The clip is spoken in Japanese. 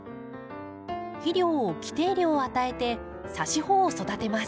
肥料を規定量与えてさし穂を育てます。